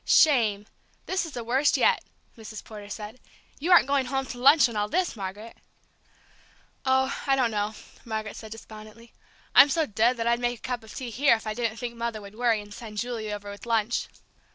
"Shame this is the worst yet!" Mrs. Porter said. "You aren't going home to lunch in all this, Margaret?" "Oh, I don't know," Margaret said despondently. "I'm so dead that I'd make a cup of tea here if I didn't think Mother would worry and send Julie over with lunch."